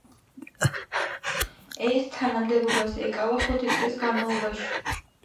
ეს თანამდებობას ეკავა ხუთი წლის განმავლობაში.